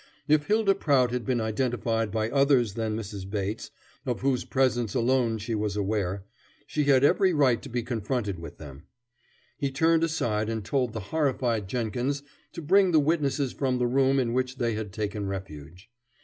If Hylda Prout had been identified by others than Mrs. Bates, of whose presence alone she was aware, she had every right to be confronted with them. He turned aside and told the horrified Jenkins to bring the witnesses from the room in which they had taken refuge.